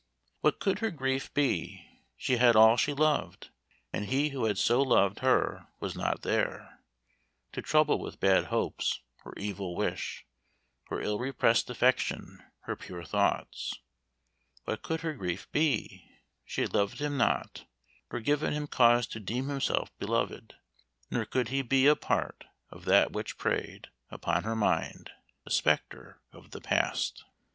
"What could her grief be? she had all she loved, And he who had so loved her was not there To trouble with bad hopes, or evil wish, Or ill repress'd affection, her pure thoughts. What could her grief be? she had loved him not, Nor given him cause to deem himself beloved, Nor could he be a part of that which prey'd Upon her mind a spectre of the past."